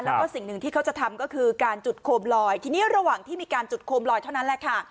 แล้วก็สิ่งหนึ่งที่เขาจะทำก็คือการจุดโคมลอยทีนี้ระหว่างที่มีการจุดโคมลอยเท่านั้นแหละค่ะ